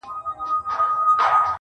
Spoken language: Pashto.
د لاله سترګو کې پاتې انتظار دی